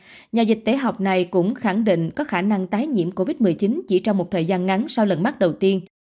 các nhà dịch tế học cũng khẳng định có khả năng tái nhiễm covid một mươi chín chỉ trong một thời gian ngắn sau lần mắc đầu tiên